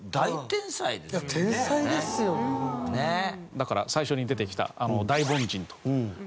だから最初に出てきた大凡人という事で。